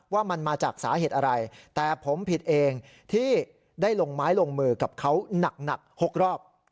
ว่ามันมาจากสาเหตุอะไรแต่ผมผิดเองที่ได้ลงไม้ลงมือกับเขาหนัก๖รอบ